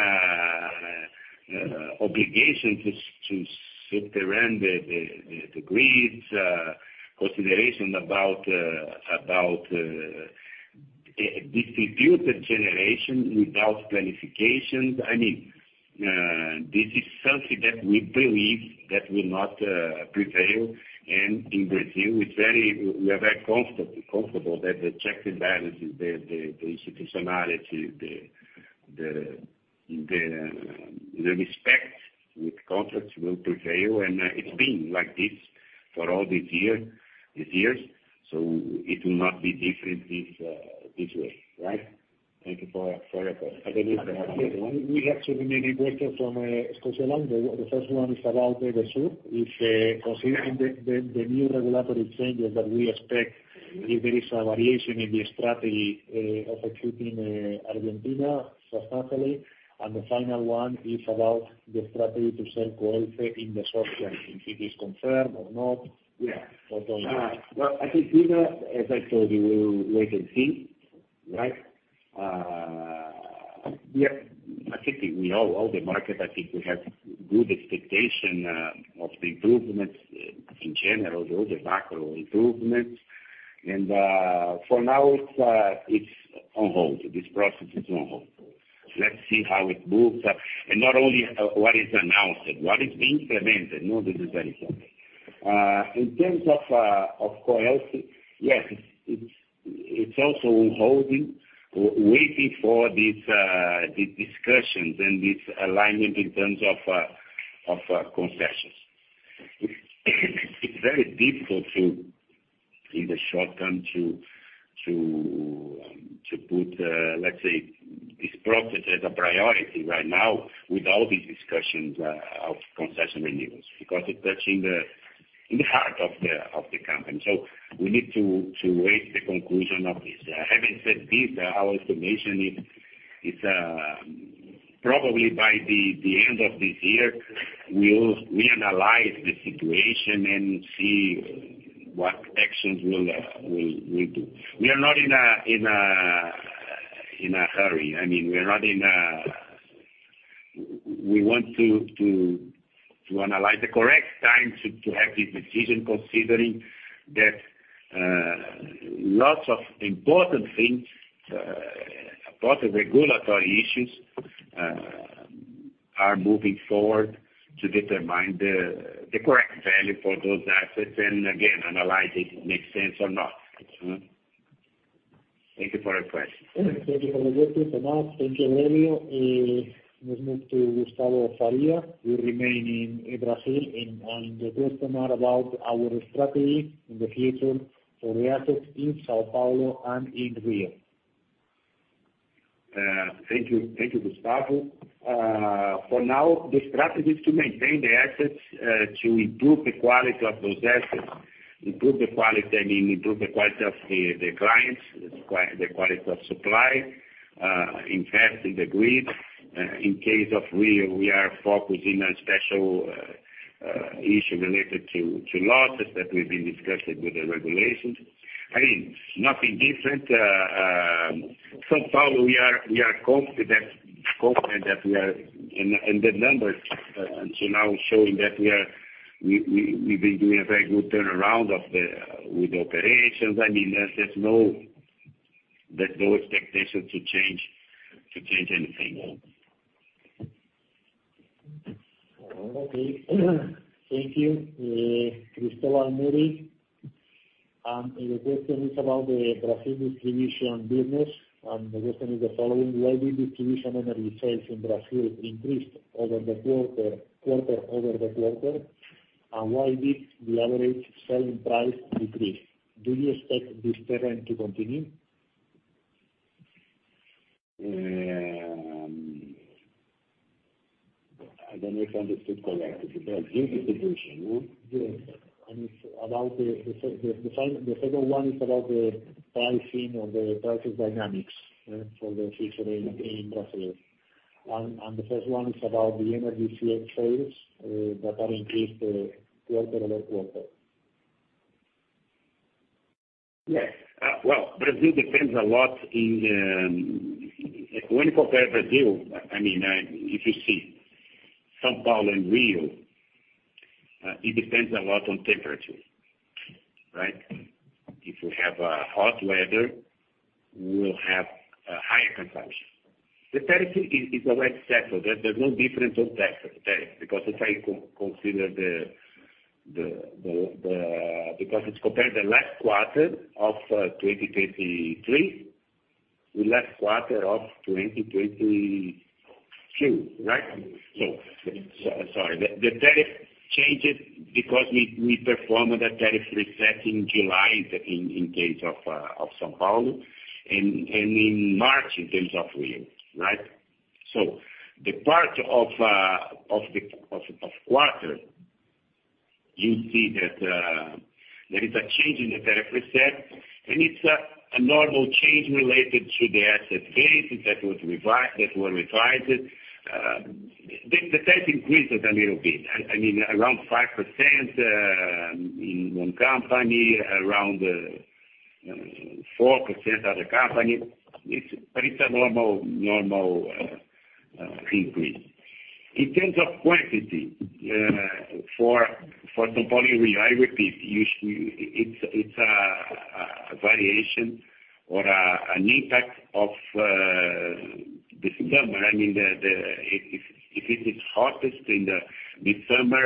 obligation to expand the grids, consideration about distributed generation without planning. I mean, this is something that we believe that will not prevail. In Brazil, we are very comfortable that the checks and balances, the institutionality, the respect with contracts will prevail. It's been like this for all these years. It will not be different this way. Right? Thank you for your question. We actually have many questions from Scotiabank. The first one is about Edesur. If considering the new regulatory changes that we expect, if there is a variation in the strategy of keeping Argentina sustainably. The final one is about the strategy to sell Coelce in the short term, if it is confirmed or not. Yeah. Don't know. Well, I think either, as I told you, we will wait and see, right? Yeah, I think we know all the markets. I think we have good expectation of the improvements in general, the other macro improvements. For now, it's on hold. This process is on hold. Let's see how it moves. Not only what is announced, but what is being implemented, no? This is very important. In terms of Coelce, yes, it's also on hold, waiting for these discussions and this alignment in terms of concessions. It's very difficult in the short term to put, let's say, this process as a priority right now with all these discussions of concession renewals, because it's touching the heart of the company. We need to wait the conclusion of this. Having said this, our estimation is it's probably by the end of this year, we'll reanalyze the situation and see what actions we'll do. We are not in a hurry. I mean, we want to analyze the correct time to have this decision considering that lots of important things, a lot of regulatory issues are moving forward to determine the correct value for those assets, and again, analyze if it makes sense or not. Thank you for your question. Thank you for the question. Thank you, Aurelio. Let's move to Gustavo Faria, who's remaining in Brazil and on the customer about our strategy in the future for the assets in São Paulo and in Rio. Thank you. Thank you, Gustavo. For now, the strategy is to maintain the assets, to improve the quality of those assets. Improve the quality, I mean, improve the quality of the clients, the quality of supply, invest in the grid. In case of Rio, we are focusing on special issue related to losses that we've been discussing with the regulators. I mean, nothing different. São Paulo, we are confident that we are in the numbers until now showing that we are, we've been doing a very good turnaround with the operations. I mean, there's no expectation to change anything. Okay. Thank you. Cristóbal Murray. The question is about the Brazilian distribution business. The question is the following: why did distribution energy sales in Brazil increase quarter-over-quarter? Why did the average selling price decrease? Do you expect this trend to continue? I don't know if I understood correctly. About distribution? Yes. It's about the second one is about the pricing or the pricing dynamics for the future in Brazil. The first one is about the energy sales that are increased quarter-over-quarter. Yes. Well, Brazil depends a lot in. When you compare Brazil, I mean, if you see São Paulo and Rio, it depends a lot on temperature, right? If we have a hot weather, we'll have a higher consumption. The tariff is already settled. There's no difference on tariff, because if I consider the, because it's compared to the last quarter of 2023, the last quarter of 2022, right? Sorry. The tariff changed because we performed a tariff reset in July in case of São Paulo and in March in terms of Rio, right? The part of the quarter, you see that there is a change in the tariff reset, and it's a normal change related to the asset base that was revised. The tariff increases a little bit. I mean, around 5% in one company, around 4% other company. It's a normal increase. In terms of quantity, for São Paulo and Rio, I repeat, it's a variation or an impact of the summer. I mean, if it is hottest in the summer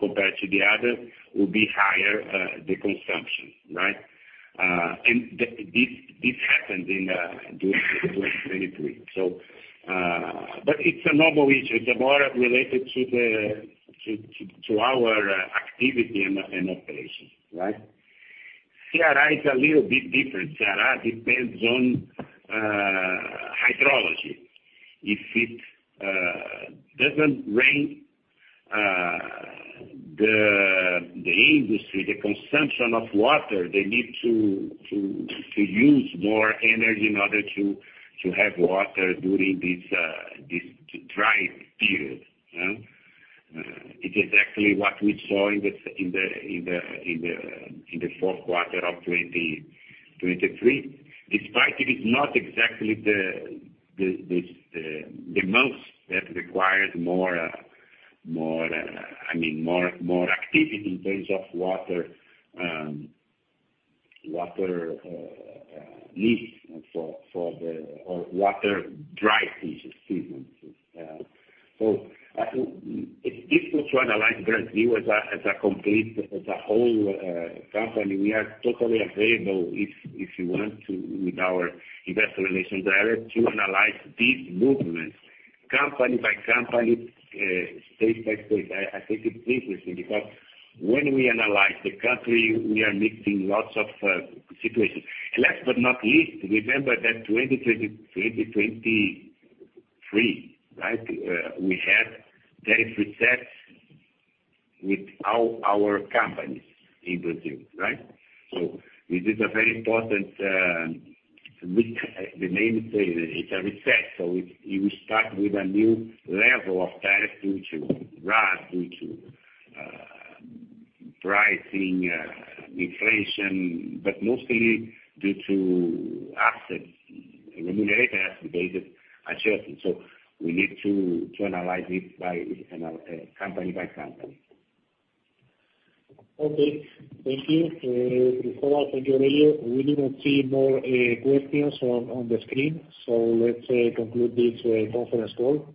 compared to the other, the consumption will be higher, right? This happened during 2023. It's a normal issue. It's more related to our activity and operations, right? Ceará is a little bit different. Ceará depends on hydrology. If it doesn't rain, the industrial consumption of water, they need to use more energy in order to have water during this dry period. It's exactly what we saw in the fourth quarter of 2023. Despite it is not exactly the months that requires more, I mean, more activity in terms of water needs for the dry season. I think it's difficult to analyze Brazil as a whole company. We are totally available if you want to, with our investor relations director, to analyze these movements company by company, state by state. I think it's interesting because when we analyze the country, we are mixing lots of situations. Last but not least, remember that 2020, 2023, right, we had tariff resets with our companies in Brazil, right? This is a very important. The main thing is it's a reset. We start with a new level of tariff due to RAS, due to pricing, inflation, but mostly due to assets, remunerated asset base adjustment. We need to analyze it by company by company. Okay. Thank you. Cristóbal, thank you, Aurelio. We didn't see more questions on the screen. Let's conclude this conference call.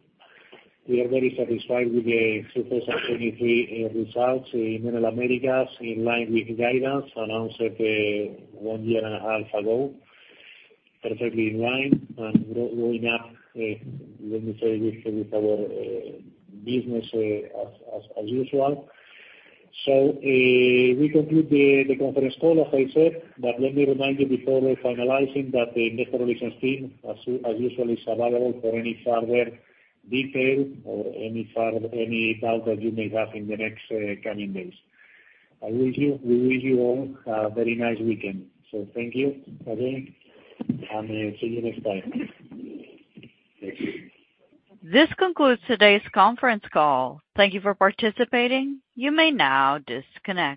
We are very satisfied with the Q1 2023 Enel Américas results in line with guidance announced one year and a half ago. Perfectly in line. Growing up, let me say with our business as usual. We conclude the conference call, as I said. Let me remind you before finalizing that the Investor Relations team, as usual, is available for any further detail or any doubt that you may have in the next coming days. We wish you all a very nice weekend. Thank you again, and see you next time. Thank you. This concludes today's conference call. Thank you for participating. You may now disconnect.